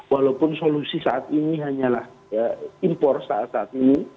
walaupun solusi saat ini hanyalah impor saat saat ini